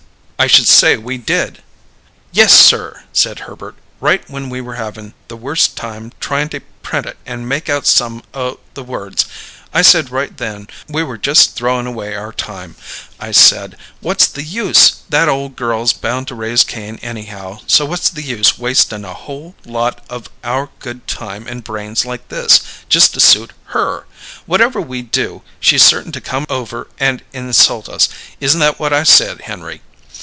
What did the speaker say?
"I should say we did!" "Yes, sir!" said Herbert. "Right when we were havin' the worst time tryin' to print it and make out some o' the words, I said right then we were just throwing away our time. I said, 'What's the use? That ole girl's bound to raise Cain anyhow, so what's the use wastin' a whole lot of our good time and brains like this, just to suit her? Whatever we do, she's certain to come over and insult us.' Isn't that what I said, Henry?"